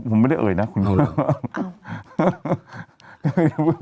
ผมไม่ได้เอ่ยนะคุณดู